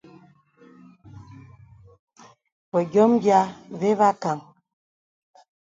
Və yɔmə yìā və và kāŋə.